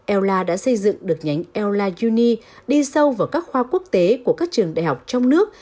ella đã xây dựng được nhánh ella uni đi sâu vào các khoa quốc tế của các trường đại học trong nước